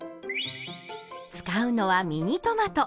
使うのはミニトマト。